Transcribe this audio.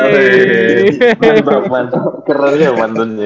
bukan bapaknya keren ya mantunnya ya